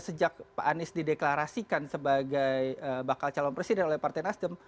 sejak pak anies dideklarasikan sebagai bakal calon presiden oleh partai nasdem